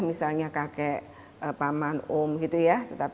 misalnya kakek paman om gitu ya